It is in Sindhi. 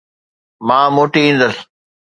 مان موٽي ايندس